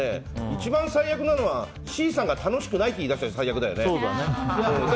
一番最悪なのはＣさんが楽しくないって言い出したら最悪だよね。